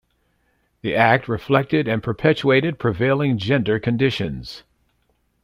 The act reflected and perpetuated prevailing gender conditions.